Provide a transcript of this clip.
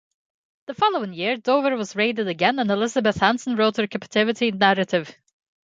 The following year Dover was raided again and Elizabeth Hanson wrote her captivity narrative.